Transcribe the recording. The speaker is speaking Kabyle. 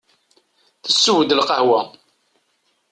Tessew-d lqahwa.